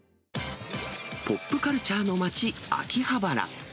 ポップカルチャーの街、秋葉原。